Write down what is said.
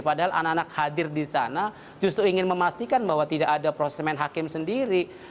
padahal anak anak hadir di sana justru ingin memastikan bahwa tidak ada proses main hakim sendiri